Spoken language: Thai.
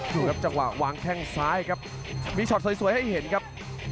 ดูครับจังหวะวางแข้งซ้ายครับมีช็อตสวยให้เห็นครับ